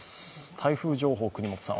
台風情報、國本さん